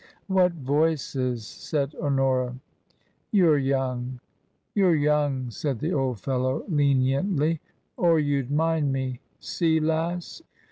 " What voices ?" said Honora. "You're young, you're young," said the old fellow, leniently, " or you'd mind me. See, lass